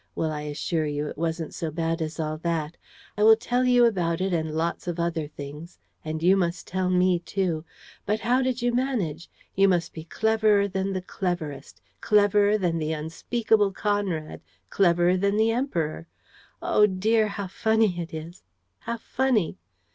Well, I assure you, it wasn't so bad as all that. ... I will tell you about it and lots of other things. ... And you must tell me, too. ... But how did you manage? You must be cleverer than the cleverest, cleverer than the unspeakable Conrad, cleverer than the Emperor! Oh, dear, how funny it is, how funny!